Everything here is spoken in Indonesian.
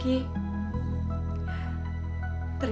tidak ada yang mengatakan